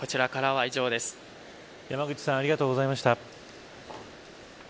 山口さんありがとうございました。